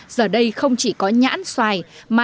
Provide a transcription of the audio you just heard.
giờ đây không chỉ có nhãn xoài